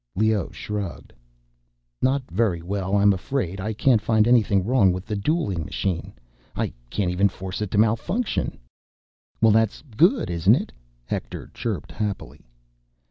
Leoh shrugged. "Not very well, I'm afraid. I can't find anything wrong with the dueling machine. I can't even force it to malfunction." "Well, that's good, isn't it?" Hector chirped happily.